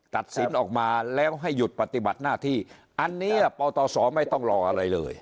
ตัดสินออกมาแล้วให้หยุดปฏิบัติหน้าที่อันนี้ปตศไม่ต้องรออะไรเลย